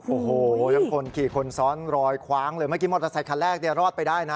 โอ้โหแล้วคนขี่คนซ้อนรอยคว้างเลยเมื่อกี้มอเตอร์ไซคันแรกเนี่ยรอดไปได้นะ